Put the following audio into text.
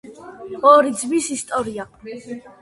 ორი ძმის ისტორია.